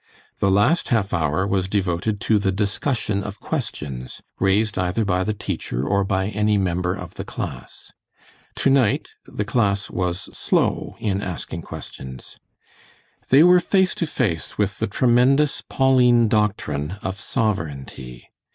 The last half hour was devoted to the discussion of questions, raised either by the teacher or by any member of the class. To night the class was slow in asking questions. They were face to face with the tremendous Pauline Doctrine of Sovereignty.